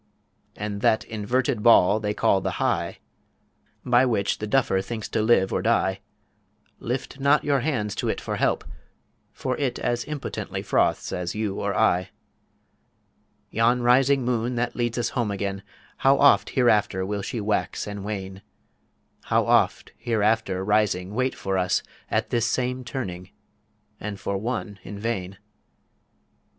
And that inverted Ball they call the High By which the Duffer thinks to live or die, Lift not your hands to IT for help, for it As impotently froths as you or I. Yon rising Moon that leads us Home again, How oft hereafter will she wax and wane; How oft hereafter rising wait for us At this same Turning and for One in vain.